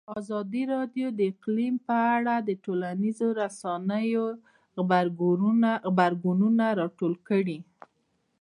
ازادي راډیو د اقلیم په اړه د ټولنیزو رسنیو غبرګونونه راټول کړي.